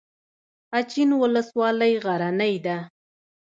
اچین ولسوالۍ غرنۍ ده؟